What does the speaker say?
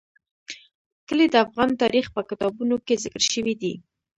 کلي د افغان تاریخ په کتابونو کې ذکر شوی دي.